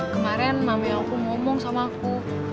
kemaren mami aku ngomong sama aku